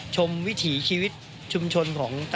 ชมวิถีชีวิตช่วงชนของตล